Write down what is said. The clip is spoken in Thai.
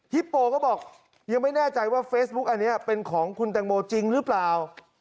โปก็บอกยังไม่แน่ใจว่าเฟซบุ๊กอันนี้เป็นของคุณแตงโมจริงหรือเปล่า